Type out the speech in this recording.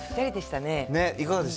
いかがでした？